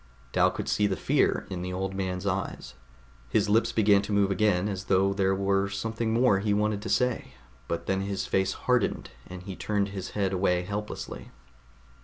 Dal could see the fear in the old man's eyes. His lips began to move again as though there were something more he wanted to say; but then his face hardened, and he turned his head away helplessly.